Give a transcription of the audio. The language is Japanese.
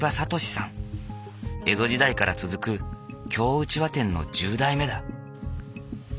江戸時代から続く京うちわ店の１０代目だ。